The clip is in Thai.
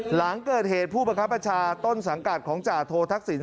หลังเกิดเหตุผู้ประคับประชาต้นสังกัดของจาโททักศิลป์